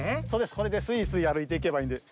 それでスイスイあるいていけばいいんです。